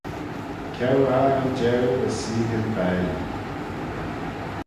Ceau aggle jeu as seaghyn baih.